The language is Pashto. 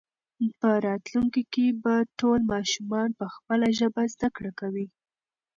په راتلونکي کې به ټول ماشومان په خپله ژبه زده کړه کوي.